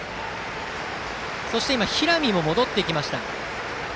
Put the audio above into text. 今、平見も戻ってきました。